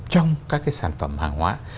trong các cái sản phẩm hàng hóa